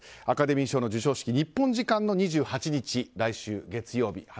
アカデミー賞の授賞式日本時間の２８日来週月曜日